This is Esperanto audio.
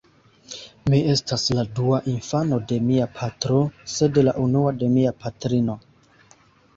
Mi estas la dua infano de mia patro, sed la unua de mia patrino.